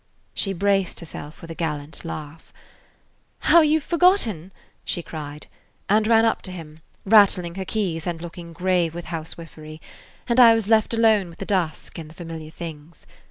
She braced herself with a gallant laugh. "How you 've forgotten!" she cried, and ran up to him, rattling her keys and looking grave with housewifery, and I was left alone with the dusk and the familiar things.